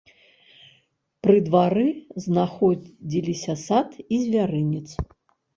Пры двары знаходзіліся сад і звярынец.